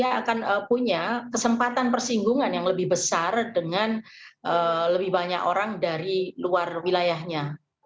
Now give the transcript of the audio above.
jadi kita akan punya kesempatan persinggungan yang lebih besar dengan lebih banyak orang dari luar wilayahnya